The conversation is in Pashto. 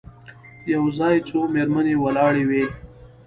یو ځای څو مېرمنې ولاړې وې.